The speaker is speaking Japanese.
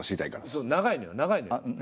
そう長いのよ長いのよ。早く！